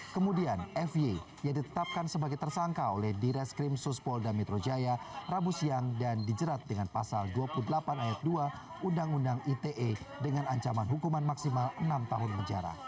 kemudian fye yang ditetapkan sebagai tersangka oleh diraskrim suspolda mitrojaya rabu siang dan dijerat dengan pasal dua puluh delapan ayat dua undang undang ite dengan ancaman hukuman maksimal enam tahun penjara